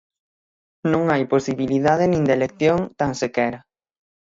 Non hai posibilidade nin de elección, tan sequera.